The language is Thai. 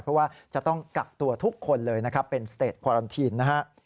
เพราะว่าจะต้องกักตัวทุกคนเลยเป็นสเตรดกวารันทีน